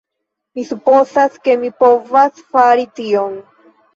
Mi supozas ke mi povas fari tion!